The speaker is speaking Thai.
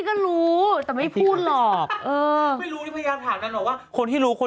จะได้ตีสมีนทองฟ้าริปริตแปลกวนใดดาก่อน